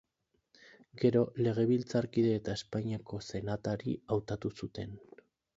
Gero legebiltzarkide eta Espainiako senatari hautatu zuten.